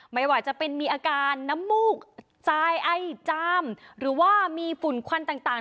ไม่ว่าจะเป็นมีอาการน้ำมูกทรายไอจามหรือว่ามีฝุ่นควันต่าง